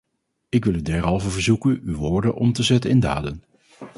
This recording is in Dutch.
Ik wil u derhalve verzoeken uw woorden om te zetten in daden.